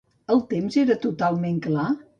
El temps era totalment clar?